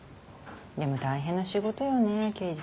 でも大変な仕事よね刑事さんって。